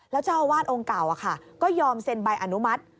แล้วเจ้าอาวาสองค์เก่าก็ยอมเซ็นใบอนุมัติ